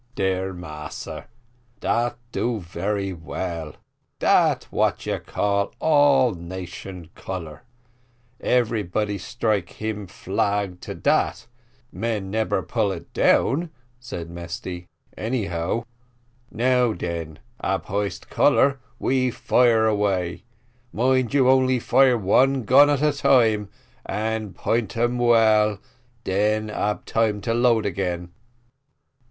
"Dere, massa, dat do very well dat what you call all nation colour. Everybody strike him flag to dat men nebber pull it down," said Mesty, "anyhow. Now den, ab hoist colour, we fire away mind you only fire one gun at a time, and point um well, den ab time to load again."